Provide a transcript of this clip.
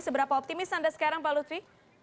seberapa optimis anda sekarang pak lutfi